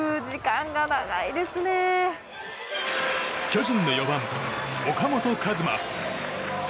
巨人の４番、岡本和真。